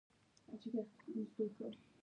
په افغانستان کې واوره خورا ډېر زیات اهمیت لري.